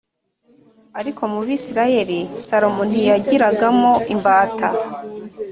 ariko mu bisirayeli salomo ntiyagiragamo imbata